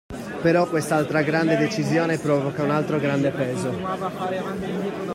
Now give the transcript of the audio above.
Però quest'altra grande decisione provoca un altro grande peso.